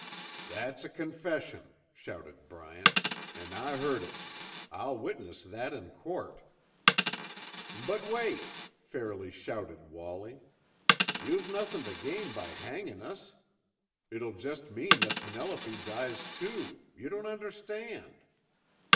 "That's a confession," shouted Bryant, "an' I heard it. I'll witness that in court." "But wait," fairly shouted Wallie. "You've nothin' to gain by hangin' us! It'll just mean that Penelope dies too! You don't understand."